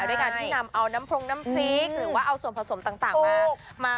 ด้วยการที่นำเอาน้ำพรงน้ำพริกหรือว่าเอาส่วนผสมต่างมา